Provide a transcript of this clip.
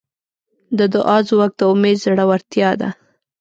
د دعا ځواک د امید زړورتیا ده.